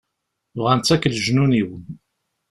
Bɣan-tt akk leǧnun-iw.